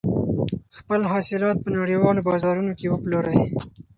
خپل حاصلات په نړیوالو بازارونو کې وپلورئ.